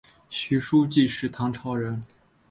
许叔冀是唐朝人。